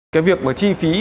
cái việc mà chi phí